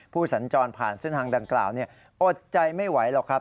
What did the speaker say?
สัญจรผ่านเส้นทางดังกล่าวอดใจไม่ไหวหรอกครับ